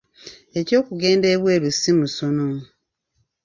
Eby'okugenda ebweru si musono